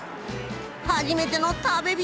初めての食べ人